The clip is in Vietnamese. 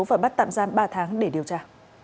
và bắt tạm giam ba tháng để điều tra